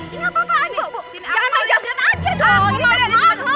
ini apa apaan bu jangan main jangkret aja dong